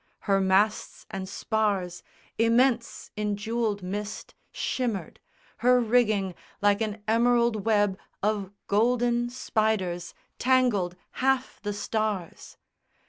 Her masts and spars immense in jewelled mist Shimmered: her rigging, like an emerald web Of golden spiders, tangled half the stars!